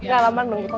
nggak lama nunggu